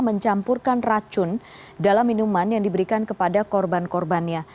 mencampurkan racun dalam minuman yang diberikan kepada korban korbannya